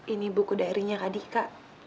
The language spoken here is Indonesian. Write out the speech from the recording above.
ini buku darinya kak dika